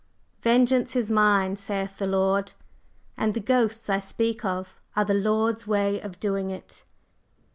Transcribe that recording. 'Vengeance is mine,' saith the Lord, and the ghosts I speak of are the Lord's way of doing it."